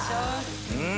うん。